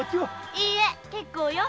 いいえ結構よ。